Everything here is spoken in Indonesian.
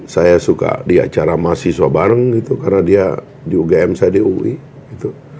saya suka di acara mahasiswa bareng gitu karena dia di ugm saya di ui gitu